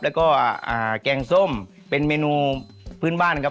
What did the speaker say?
แล้วก็แกงส้มเป็นเมนูพื้นบ้านครับ